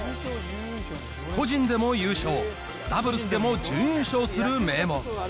個人でも優勝、ダブルスでも準優勝する名門。